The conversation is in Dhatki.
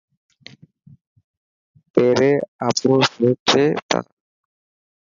پيري آپرو سوچي تا.